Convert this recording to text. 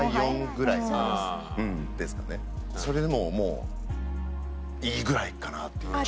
それでもういいぐらいかなっていう。